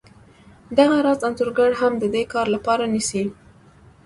دغه راز انځورګر هم د دې کار لپاره نیسي